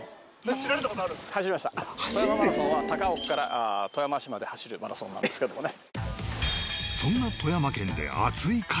富山マラソンは高岡から富山市まで走るマラソンなんですけどもね。